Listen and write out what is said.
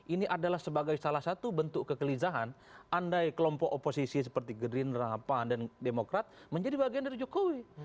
ini adalah sebagai salah satu bentuk kekelisahan andai kelompok oposisi seperti gerindra pan dan demokrat menjadi bagian dari jokowi